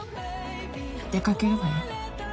出かけるわよ。